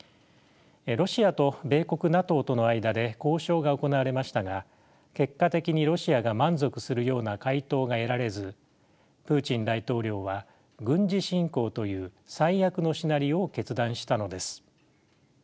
ロシアと米国・ＮＡＴＯとの間で交渉が行われましたが結果的にロシアが満足するような回答が得られずプーチン大統領は軍事侵攻という最悪のシナリオを決断したのです。